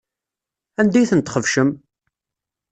Anda ay ten-txebcem?